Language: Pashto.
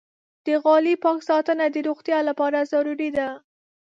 د غالۍ پاک ساتنه د روغتیا لپاره ضروري ده.